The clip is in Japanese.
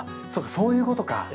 そういうことか。